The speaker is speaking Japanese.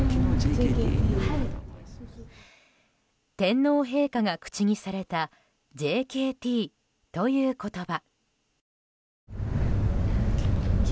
天皇陛下が口にされたＪＫＴという言葉。